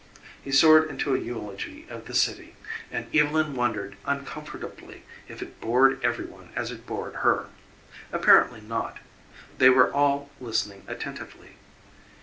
He soared into a eulogy of the city, and Evylyn wondered uncomfortably if it bored every one as it bored her. Apparently not. They were all listening attentively.